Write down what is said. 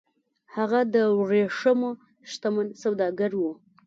هغه د ورېښمو شتمن سوداګر و